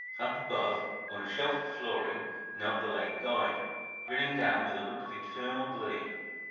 Up above, on a shelf of flooring, knelt the late guide, grinning down with a look of infernal glee.